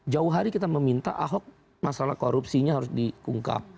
jauh hari kita meminta ahok masalah korupsinya harus diungkap